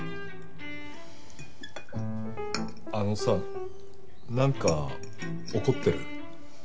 あのさなんか怒ってる？